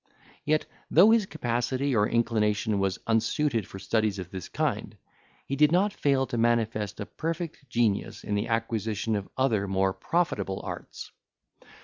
Yet, though his capacity or inclination was unsuited for studies of this kind, he did not fail to manifest a perfect genius in the acquisition of other more profitable arts.